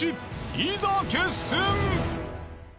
いざ決戦！